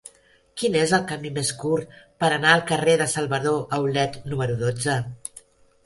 Quin és el camí més curt per anar al carrer de Salvador Aulet número dotze?